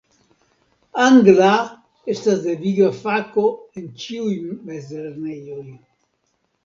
Angla estas deviga fako en ĉiuj mezlernejoj.